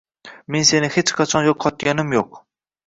Men seni hech qachon yo’qotganim yo’q